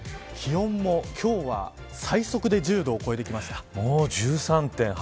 気温も今日は最速で１０度を超えてきました。